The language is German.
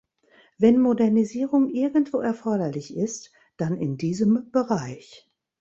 Wenn Modernisierung irgendwo erforderlich ist, dann in diesem Bereich.